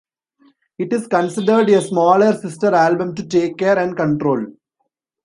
It is considered a smaller, sister album to "Take Care and Control".